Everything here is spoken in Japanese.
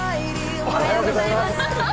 おはようございます。